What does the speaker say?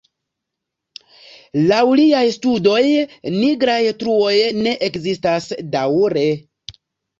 Laŭ liaj studoj, nigraj truoj ne ekzistas daŭre.